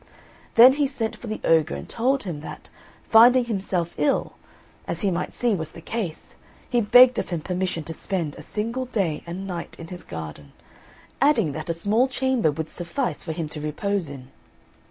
Then he sent for the ogre and told him that, finding himself ill (as he might see was the case) he begged of him permission to spend a single day and night in his garden, adding that a small chamber would suffice for him to repose in.